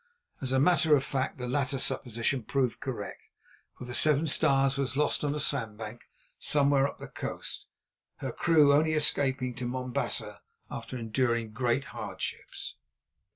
As a matter of fact the latter supposition proved correct, for the Seven Stars was lost on a sandbank somewhere up the coast, her crew only escaping to Mombasa after enduring great hardships.